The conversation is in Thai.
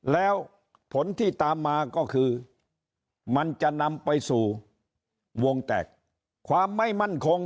แล้วผลที่ตามมาก็คือมันจะนำไปสู่วงแตกความไม่มั่นคง